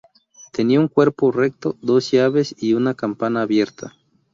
Tenía un cuerpo recto, dos llaves y una campana abierta.